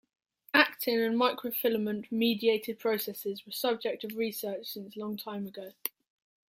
Actin and microfilament-mediated processes were subject of research since long time ago.